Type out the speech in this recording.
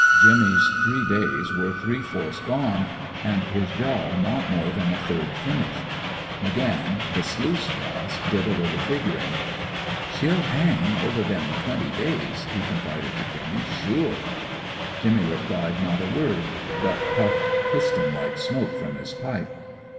Jimmy's three days were three fourths gone, and his job not more than a third finished. McGann, the sluice boss, did a little figuring. "She'll hang over thim twinty days," he confided to Jimmy. "Shure!" Jimmy replied not a word, but puffed piston like smoke from his pipe.